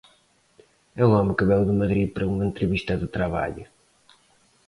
É un home que veu de Madrid para unha entrevista de traballo.